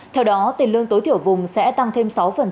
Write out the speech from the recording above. theo đó tiền lương tối thiểu vùng sẽ tăng thêm sáu